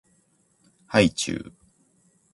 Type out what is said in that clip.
はいちゅう